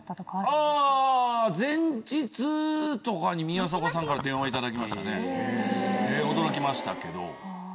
あぁ前日とかに宮迫さんから電話頂きましたね驚きましたけど。